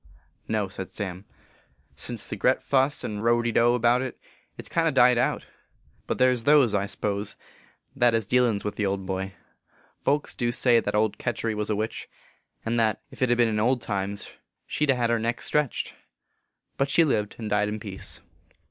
44 No," said Sam. " Since the gret fuss and row de dow about it, it s kind o died out ; but there s those, I s pose, that hez dealins with the old boy. Folks du say that old Ketury was a witch, and that, ef t ben in old times, she d a hed her neck stretched ; but she lived and died in peace."